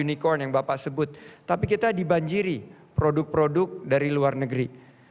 unicorn yang bapak sebut tapi kita dibanjiri produk produk dari luar negeri